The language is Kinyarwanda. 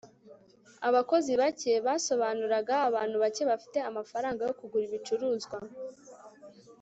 abakozi bake basobanuraga abantu bake bafite amafaranga yo kugura ibicuruzwa